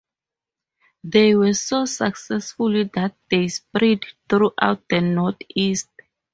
They were so successful that they spread throughout the Northeast.